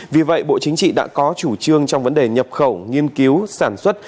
vì vậy bộ chính trị đã có chủ trương trong vấn đề nhập khẩu nghiên cứu sản xuất